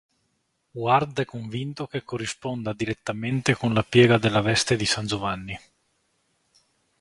Ward è convinto che corrisponda direttamente con la piega della veste di San Giovanni.